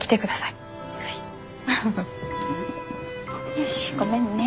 よしごめんね。